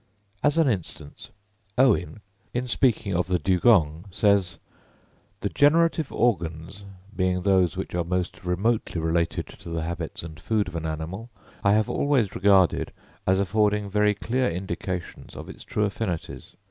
As an instance: Owen, in speaking of the dugong, says, "The generative organs, being those which are most remotely related to the habits and food of an animal, I have always regarded as affording very clear indications of its true affinities.